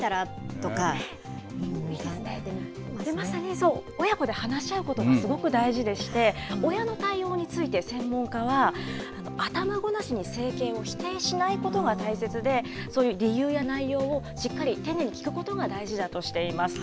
とまさに、親子で話し合うことがすごく大事でして、親の対応について専門家は、頭ごなしに整形を否定しないことが大切で、そういう理由や内容をしっかり丁寧に聞くことが大事だとしています。